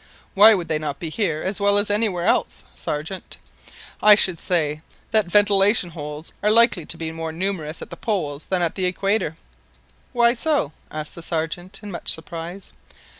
"Why should they not be here as well as anywhere else, Sergeant? I should say that ventilation holes are likely to be more numerous at the Poles than at the Equator !" "Why so?" asked the Sergeant in much surprise.